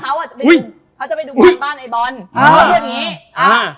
เค้าบอกว่าเค้าจะไปดูบอลบ้านไอบอล